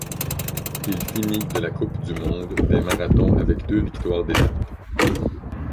Il finit de la coupe du monde des marathons avec deux victoires d'étapes.